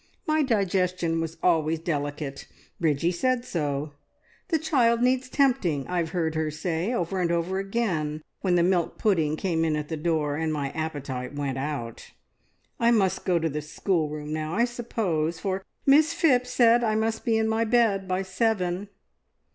Me digestion was always delicate. Bridgie said so. `The child needs tempting!' I've heard her say, over and over again, when the milk pudding came in at the door, and my appetite went out. I must go to the schoolroom now, I suppose, for Miss Phipps said I must be in my bed by seven.